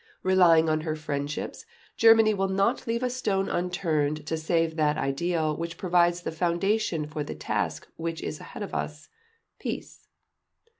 . Relying on her friendships, Germany will not leave a stone unturned to save that ideal which provides the foundation for the task which is ahead of us—peace."